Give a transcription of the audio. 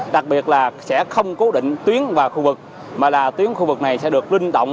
đặc biệt là sẽ không cố định tuyến vào khu vực mà là tuyến khu vực này sẽ được rưng động